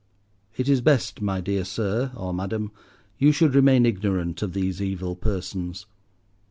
It is best, my dear sir, or madam, you should remain ignorant of these evil persons.